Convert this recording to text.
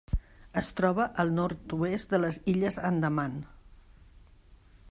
Es troba al nord-oest de les Illes Andaman.